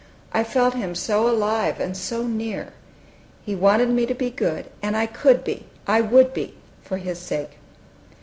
I felt Him so alive and so near! He wanted me to be good, and I could be, I would be, for his sake.